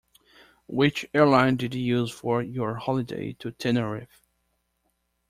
Which airline did you use for your holiday to Tenerife?